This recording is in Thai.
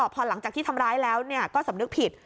พอหลังจากที่ทำร้ายแล้วก็สำนึกผิด